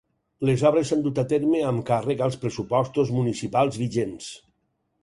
Les obres s’han dut a terme amb càrrec als pressupostos municipals vigents.